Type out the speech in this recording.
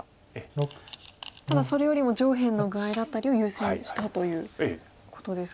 ただそれよりも上辺の具合だったりを優先したということですか。